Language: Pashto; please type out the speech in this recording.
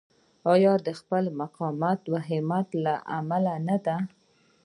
آیا د خپل مقاومت او همت له امله نه دی؟